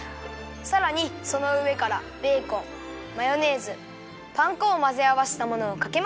さらにそのうえからベーコンマヨネーズパン粉をまぜあわせたものをかけます。